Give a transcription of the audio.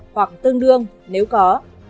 hoặc tương đương nếu có